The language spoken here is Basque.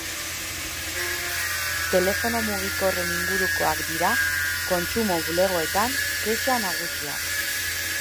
Telefono mugikorren ingurukoak dira kontsumo bulegoetan kexa nagusiak.